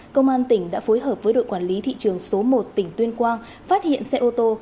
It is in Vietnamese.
công an tỉnh đã phối hợp với đội quản lý thị trường số một tỉnh tuyên quang phát hiện xe ô tô